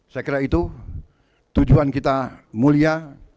saya kira itu tujuan kita mulia